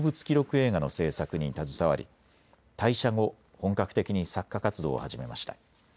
映画の制作に携わり退社後、本格的に作家活動を始めました。